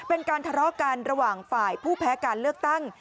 เป็นการทะเลาะกันระหว่างฝ่ายผู้แพ้การเลือกตั้ง